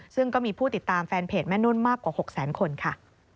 ซึ่งก็มีผู้ติดตามแฟนเพจแม่นุ่นมากกว่า๖แสนคนค่ะ